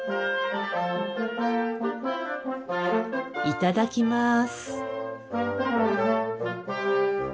いただきます。